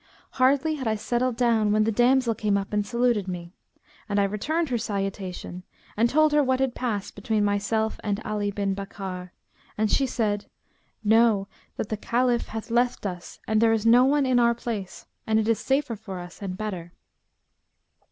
Hardly had I settled down when the damsel came up and saluted me; and I returned her salutation and told her what had passed between myself and Ali bin Bakkar, and she said, 'Know that the Caliph hath left us and there is no one in our place and it is safer for us and better.'